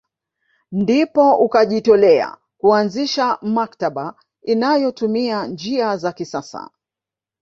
Ndipo ukajitolea kuanzisha maktaba inayotumia njia za kisasa